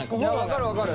分かる分かる！